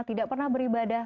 tidak pernah beribadah